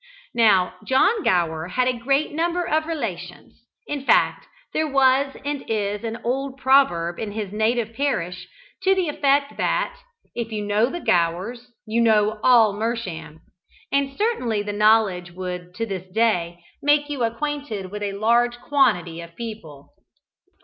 Now John Gower had a great number of relations; in fact there was and is an old proverb in his native parish, to the effect that "if you know the Gowers, you know all Mersham;" and certainly the knowledge would to this day make you acquainted with a large quantity of people.